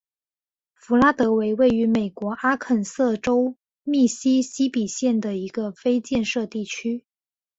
弗拉德韦是位于美国阿肯色州密西西比县的一个非建制地区。